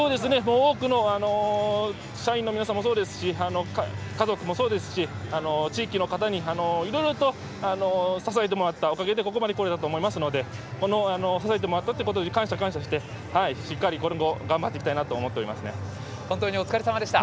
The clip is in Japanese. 多くの社員の皆さんもそうですし家族もそうですし地域の方に、いろいろと支えてもらったおかげでここまでこれたと思いますので支えてもらったことに感謝してしっかり今後も頑張っていきたいなと思っています。